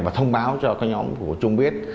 và thông báo cho các nhóm của trung biết